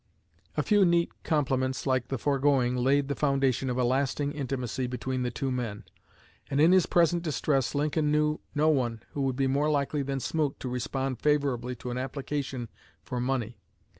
A few neat compliments like the foregoing laid the foundation of a lasting intimacy between the two men, and in his present distress Lincoln knew no one who would be more likely than Smoot to respond favorably to an application for money."